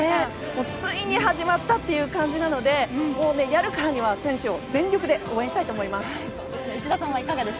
ついに始まったという感じなのでやるからには選手を全力で応援したいと思います。